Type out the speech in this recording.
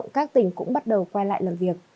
các tỉnh cũng bắt đầu quay lại làm việc